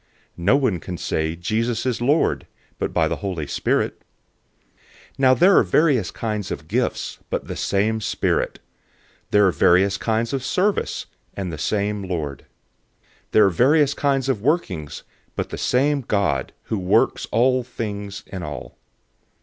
No one can say, "Jesus is Lord," but by the Holy Spirit. 012:004 Now there are various kinds of gifts, but the same Spirit. 012:005 There are various kinds of service, and the same Lord. 012:006 There are various kinds of workings, but the same God, who works all things in all.